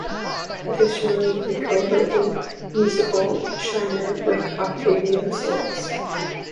Additionally, he co-wrote the musical "Shiner" with Octavio Solis.